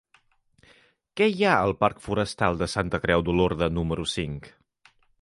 Què hi ha al parc Forestal de Santa Creu d'Olorda número cinc?